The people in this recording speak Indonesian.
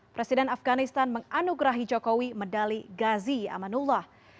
presiden afganistan menganugerahi jokowi medali gazi amanullah